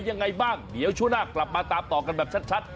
ยังไงบ้างเดี๋ยวช่วงหน้ากลับมาตามต่อกันแบบชัด